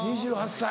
２８歳。